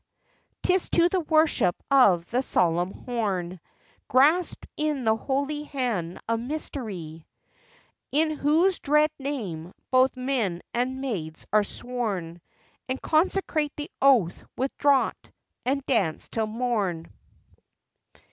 'Tis to the worship of the solemn horn, Grasped in the holy hand of mystery, In whose dread name both men and maids are sworn, And consecrate the oath with draught, and dance till morn.